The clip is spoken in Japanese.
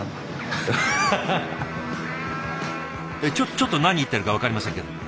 ちょっと何言ってるか分かりませんけども。